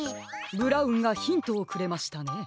ブラウンがヒントをくれましたね。